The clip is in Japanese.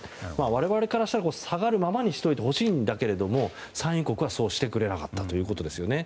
我々からしたら下がるままにしてほしいんだけど産油国はそうしてくれなかったということですね。